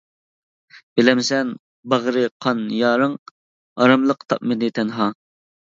بىلەمسەن باغرى قان يارىڭ، ئاراملىق تاپمىدى تەنھا.